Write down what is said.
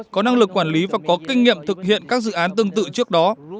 có năng lực quản lý và có kinh nghiệm thực hiện các dự án tương tự trước đó